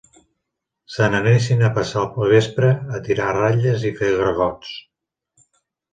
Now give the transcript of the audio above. Se'n anessin a passar el vespre a tirar ratlles i fer gargots